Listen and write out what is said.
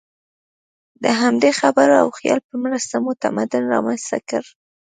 د همدې خبرو او خیال په مرسته مو تمدن رامنځ ته کړ.